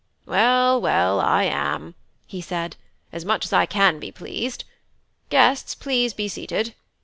"Well, well, I am," said he, "as much as I can be pleased. Guests, please be seated."